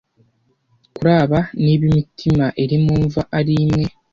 kuri aba niba imitima iri mu mva ari imwe